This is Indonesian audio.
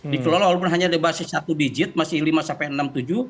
dikelola walaupun hanya ada basis satu digit masih lima sampai enam tujuh